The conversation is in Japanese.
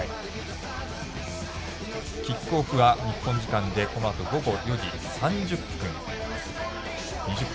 キックオフは日本時間でこのあと午後４時３０分。